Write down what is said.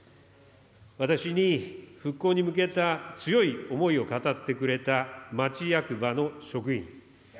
私に復興に向けた強い思いを語ってくれた、町役場の職員。